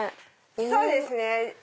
そうですね。